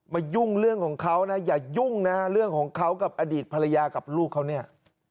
ยุ่งเรื่องของเขานะอย่ายุ่งนะเรื่องของเขากับอดีตภรรยากับลูกเขาเนี่ย